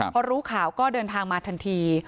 พอรู้ข่าวก็เดินทางมาทันที